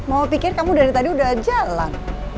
mau pikir kamu dari tadi udah jalan